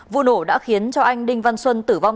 vụ nổ đã khiến cho anh đinh văn xuân tử vong